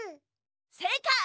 せいかい！